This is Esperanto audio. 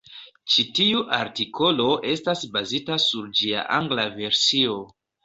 Ĉi tiu artikolo estas bazita sur ĝia angla versio.